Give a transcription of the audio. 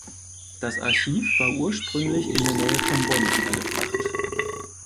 Das Archiv war ursprünglich in der Nähe von Bonn untergebracht.